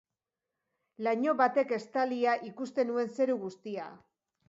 Laino batek estalia ikusten nuen zeru guztia.